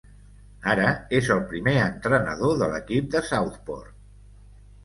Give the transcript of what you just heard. Ara és el primer entrenador de l'equip de Southport.